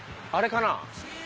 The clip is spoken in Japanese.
あれかな？